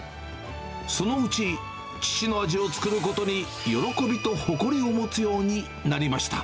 そのうち、父の味を作ることに喜びと誇りを持つようになりました。